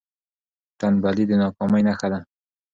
ټنبلي د ناکامۍ نښه ده.